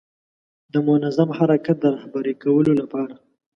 د منظم حرکت د رهبري کولو لپاره.